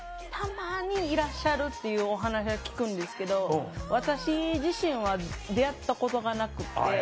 たまにいらっしゃるっていうお話は聞くんですけど私自身は出会ったことがなくて。